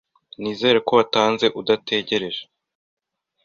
Nizere ko watanze udategereje